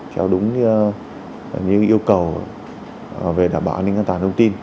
theo đúng yêu cầu về đảm bảo an ninh an toàn thông tin